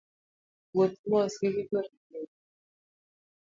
Wuoth mos kik igori piny